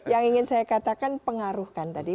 yang ingin saya katakan pengaruhkan tadi